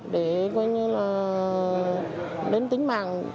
để coi như là đến tính mạng